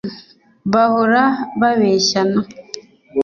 Bahora babeshyana